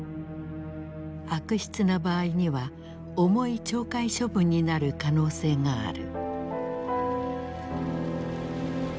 悪質な場合には重い懲戒処分になる可能性がある。